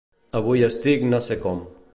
Avui estic no sé com.